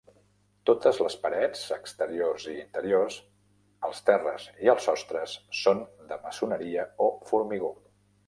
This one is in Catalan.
Totes les parets exteriors i interiors, els terres i els sostres són de maçoneria o formigó.